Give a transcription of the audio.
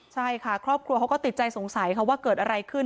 ใช่ค่ะครอบครัวเขาก็ติดใจสงสัยค่ะว่าเกิดอะไรขึ้น